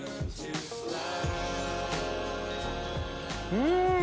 うん！